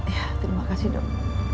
ya terima kasih dok